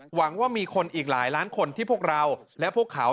หวังว่ามีคนอีกหลายล้านคนที่พวกเราและพวกเขา